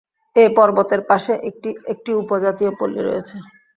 এ পর্বতের পাশে একটি উপজাতীয় পল্লী রয়েছে।